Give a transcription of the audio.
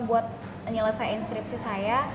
buat menyelesaikan skripsi saya